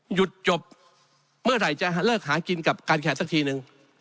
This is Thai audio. หยุดจบเมื่อไหร่จะเลิกหากินกับการแขกสักทีนึง